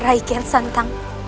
rai kian santa